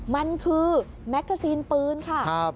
มันคือแมกกาซีนปืนค่ะ